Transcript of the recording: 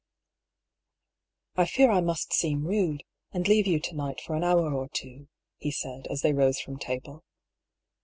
" I fear I must seem rude, and leave you to night for an hour or two," he said, as they rose from table.